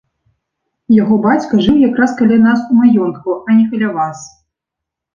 Яго бацька жыў якраз каля нас у маёнтку, а не каля вас.